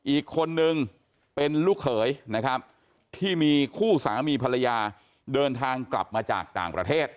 อีกคนนึงเป็นลูกเขยนะครับที่มีคู่สามีภรรยาเดินทางกลับมาจากต่างประเทศ